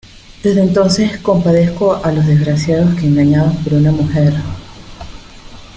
desde entonces compadezco a los desgraciados que engañados por una mujer